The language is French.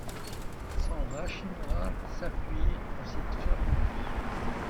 Son rachis moral s’appuyait à cette fermeté.